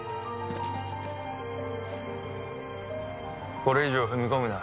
これ以上踏み込むな。